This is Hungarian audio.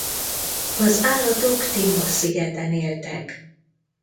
Az állatok Timor szigeten éltek.